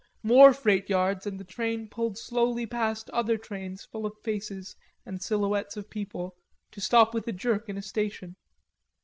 More freight yards and the train pulled slowly past other trains full of faces and silhouettes of people, to stop with a jerk in a station.